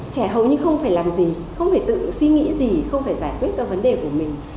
trẻ hầu như không phải làm gì không phải tự suy nghĩ gì không phải giải quyết các vấn đề của mình